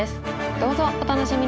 どうぞお楽しみに！